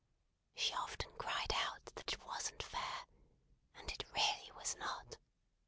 She often cried out that it wasn't fair; and it really was not.